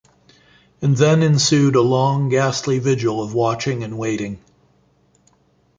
And then ensued a long ghastly vigil of watching and waiting.